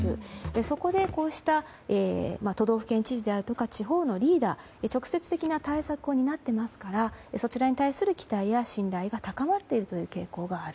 そこで、こうした都道府県知事であるとか地方のリーダーは直接的な対策を担っていますからそちらに対する期待や信頼が高まっているという傾向がある。